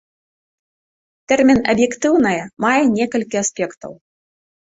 Тэрмін аб'ектыўнае мае некалькі аспектаў.